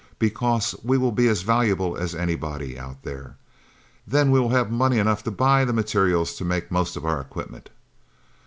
Because we will be as valuable as anybody, Out There. Then we will have money enough to buy the materials to make most of our equipment."